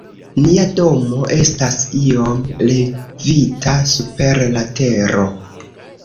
Nia domo estas iom levita super la tero.